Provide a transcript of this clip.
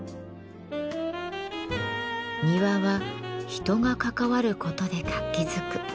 「庭は人が関わることで活気づく。